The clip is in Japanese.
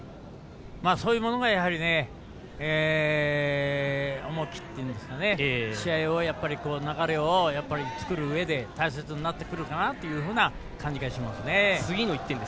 そういうものが、やはり重きといいますか試合の流れを作るうえで大切になってくるかなというふうな感じがしますね。